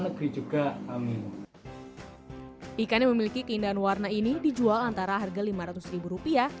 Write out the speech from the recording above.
negeri juga amin ikan yang memiliki keindahan warna ini dijual antara harga lima ratus rupiah